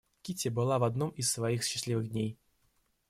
Кити была в одном из своих счастливых дней.